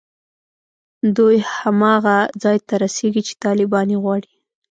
دوی هماغه ځای ته رسېږي چې طالبان یې غواړي